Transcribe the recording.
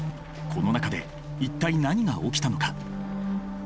この中で一体何が起きたのか？